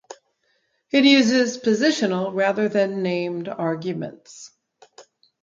it uses positional rather than named arguments